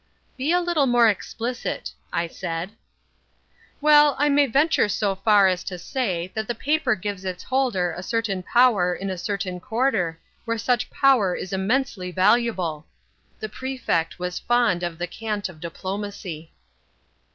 "Be a little more explicit," I said. "Well, I may venture so far as to say that the paper gives its holder a certain power in a certain quarter where such power is immensely valuable." The Prefect was fond of the cant of diplomacy.